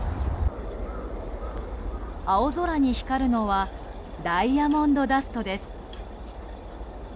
青空に光るのはダイヤモンドダストです。